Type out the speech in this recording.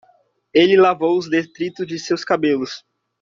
Ele lavou os detritos de seus cabelos.